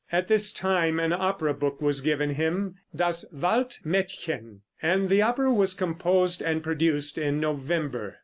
At this time an opera book was given him, "Das Wald Mädchen," and the opera was composed and produced in November.